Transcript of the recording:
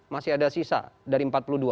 masih ada sisa dari empat puluh dua